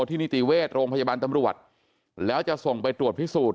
นิติเวชโรงพยาบาลตำรวจแล้วจะส่งไปตรวจพิสูจน